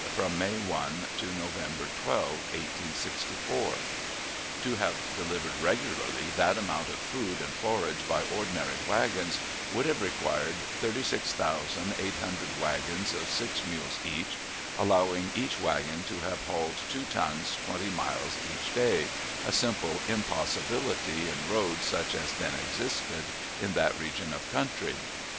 from May 1 to November 12, 1864. To have delivered regularly that amount of food and forage by ordinary wagons would have required thirty six thousand eight hundred wagons of six mules each, allowing each wagon to have hauled two tons twenty miles each day, a simple impossibility in roads such as then existed in that region of country.